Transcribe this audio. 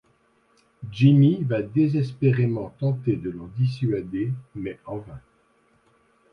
Jimmy va désespérément tenter de l'en dissuader mais en vain.